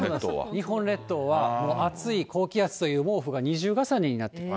日本列島は暑い高気圧という毛布が二重重ねになってる。